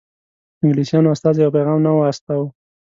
انګلیسیانو استازی او پیغام نه و استاوه.